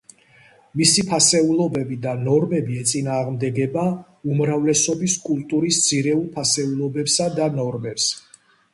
მისი ფასეულობები და ნორმები ეწინააღმდეგება უმრავლესობის კულტურის ძირეულ ფასეულობებსა და ნორმებს.